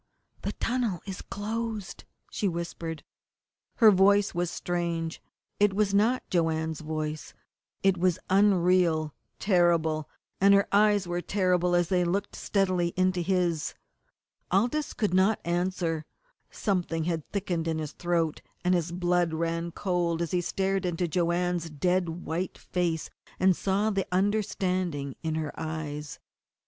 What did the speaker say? "The tunnel is closed!" she whispered. Her voice was strange. It was not Joanne's voice. It was unreal, terrible, and her eyes were terrible as they looked steadily into his. Aldous could not answer; something had thickened in his throat, and his blood ran cold as he stared into Joanne's dead white face and saw the understanding in her eyes.